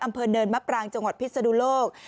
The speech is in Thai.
อำเภอเนินมะปรางจังหวัดพิศนุโลก